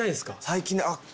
最近あっ！